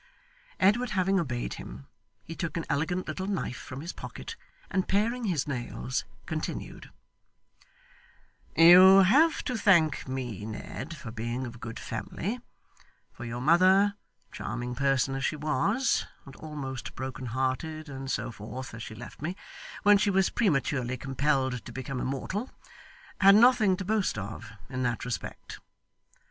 Edward having obeyed him, he took an elegant little knife from his pocket, and paring his nails, continued: 'You have to thank me, Ned, for being of good family; for your mother, charming person as she was, and almost broken hearted, and so forth, as she left me, when she was prematurely compelled to become immortal had nothing to boast of in that respect.